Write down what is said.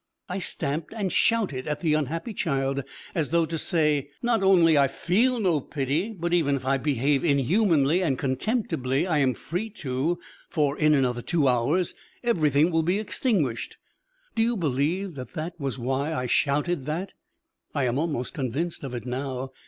I stamped and shouted at the unhappy child as though to say not only I feel no pity, but even if I behave inhumanly and contemptibly, I am free to, for in another two hours everything will be extinguished. Do you believe that that was why I shouted that? I am almost convinced of it now.